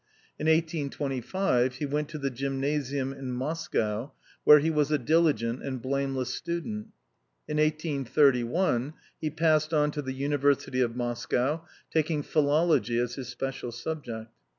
In 1825, he went to the Gymnasium in Moscow, where he was a diligent and blameless student. In 1 83 1, he passed on to the University of Moscow, taking philology as his special subject.